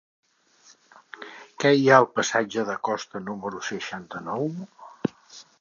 Què hi ha al passatge de Costa número seixanta-nou?